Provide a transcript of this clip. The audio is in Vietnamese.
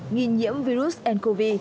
nghi nhiễm virus ncov